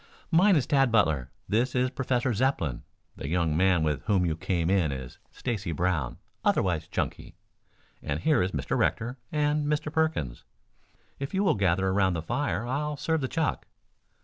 "Mine is Tad Butler. This is Professor Zepplin. The young man with whom you came in is Stacy Brown, otherwise Chunky, and here are Mr. Rector and Mr. Perkins. If you will gather around the fire I'll serve the chuck."